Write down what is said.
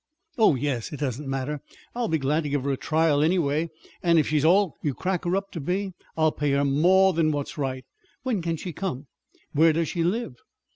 "Oh, yes; it doesn't matter. I'll be glad to give her a trial, anyway; and if she's all you crack her up to be I'll pay her more than what's right. When can she come? Where does she live?"